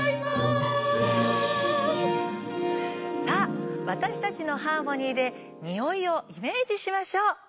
さあわたしたちのハーモニーでにおいをイメージしましょう。